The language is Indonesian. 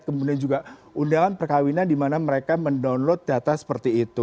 kemudian juga undangan perkawinan di mana mereka mendownload data seperti itu